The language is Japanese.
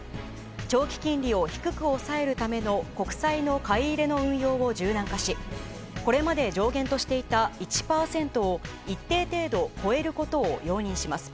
長期金利を低く抑えるための国債の買い入れの運用を柔軟化しこれまで上限としていた１％を一定程度超えることを容認します。